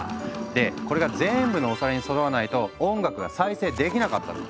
でこれが全部のお皿にそろわないと音楽が再生できなかったの。